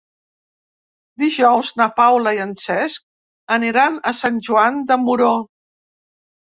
Dijous na Paula i en Cesc aniran a Sant Joan de Moró.